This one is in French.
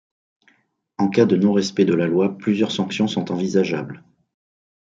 En cas de non-respect de la loi, plusieurs sanctions sont envisageables.